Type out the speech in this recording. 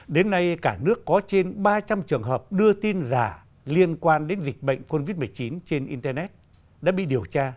đến nay cả nước có trên ba trăm linh trường hợp đưa tin giả liên quan đến dịch bệnh covid một mươi chín